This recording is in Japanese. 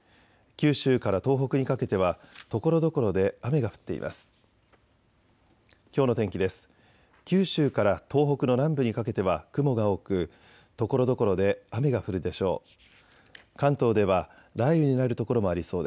九州から東北の南部にかけては雲が多くところどころで雨が降るでしょう。